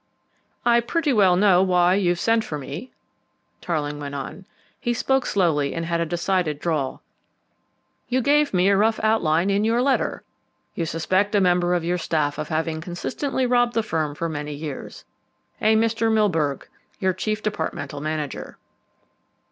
"I pretty well know why you've sent for me," Tarling went on. He spoke slowly and had a decided drawl. "You gave me a rough outline in your letter. You suspect a member of your staff of having consistently robbed the firm for many years. A Mr. Milburgh, your chief departmental manager."